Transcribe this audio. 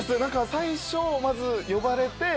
最初まず呼ばれて。